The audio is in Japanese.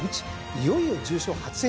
いよいよ重賞初制覇。